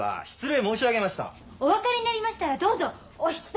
お分かりになりましたらどうぞお引き取りください。